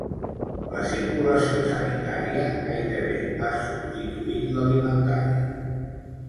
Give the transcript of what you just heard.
La circulació sanitària gairebé ha substituït l’alimentària.